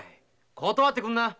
断ってくんな！